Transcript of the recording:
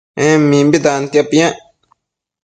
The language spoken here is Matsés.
En mimbi tantia piac